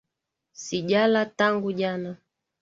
sijala tangu jana